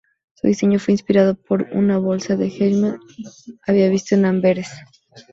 Su diseño fue inspirado por una bolsa que Gresham había visto en Amberes.